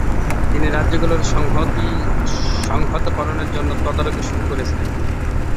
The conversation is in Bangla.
তিনি রাজ্যগুলোর সংহতকরণের জন্য তদারকি শুরু করেছিলেন।